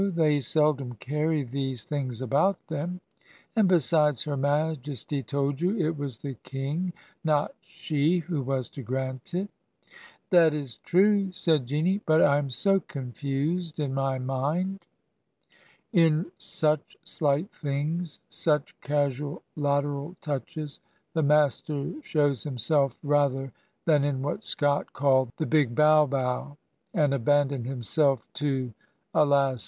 ... They seldom carry these things about them ... and besides, her Majesty told you it was the King, not she, who was to grant it.' ' That is true,' said Jeanie, ' but I am so confused in my mind. '" io6 Digitized by VjOOQIC SCOTrs JEANIE DEANS In such slight things, such casual, lateral touches, the master shows himself rather than in what Scott called "the big bow bow/' and abandoned himself to, alas!